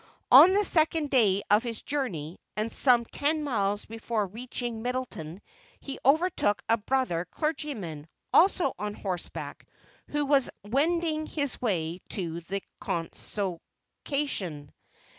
On the second day of his journey, and some ten miles before reaching Middletown, he overtook a brother clergyman, also on horseback, who was wending his way to the Consociation.